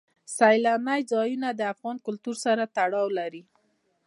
سیلانی ځایونه د افغان کلتور سره تړاو لري.